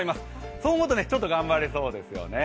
そう思うとちょっと頑張れそうですよね。